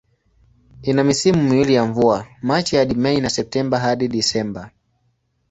Ina misimu miwili ya mvua, Machi hadi Mei na Septemba hadi Disemba.